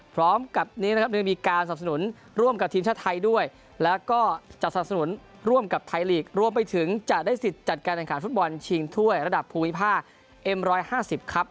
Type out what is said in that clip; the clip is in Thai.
พร้อมกับมีการร่วมกับทีมชาติไทยด้วยและร่วมกับประงวลภาษาประหลาดับภูมิภาคมครับ